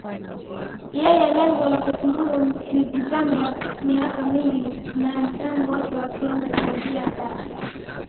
yenye lengo la kupunguza mivutano ya miaka mingi na hasimu wake wa kikanda Saudi Arabia